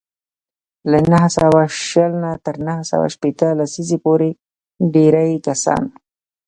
له نهه سوه شل تر نهه سوه شپېته لسیزې پورې ډېری کسان